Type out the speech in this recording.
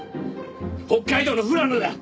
北海道の富良野だ。